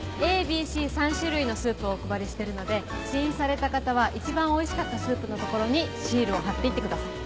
ＡＢＣ３種類のスープをお配りしてるので試飲された方は一番おいしかったスープの所にシールを貼って行ってください。